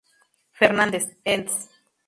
Fernández", "Ens.